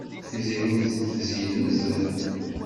Tiziri tezyen nezzeh.